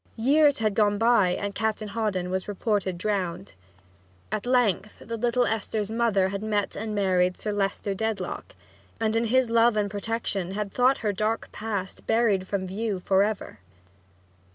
Years had gone by and Captain Hawdon was reported drowned. At length the little Esther's mother had met and married Sir Leicester Dedlock, and in his love and protection had thought her dark past buried from view for ever.